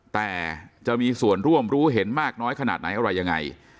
แต่จะมีส่วนร่วมรู้เห็นมากน้อยขนาดไหนอะไรยังไง